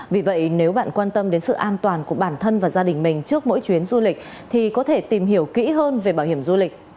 vì vậy nếu bạn quan tâm đến sự an toàn của bản thân và gia đình mình trước mỗi chuyến du lịch thì có thể tìm hiểu kỹ hơn về bảo hiểm du lịch